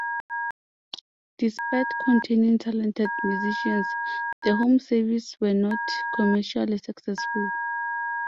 Despite containing talented musicians, the Home Service were not commercially successful.